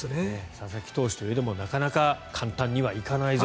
佐々木投手といえどもなかなか簡単にはいかないぞと。